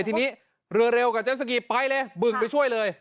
ทีนี้เรือเร็วกับเจสสกีไปเลยบึงไปช่วยเลย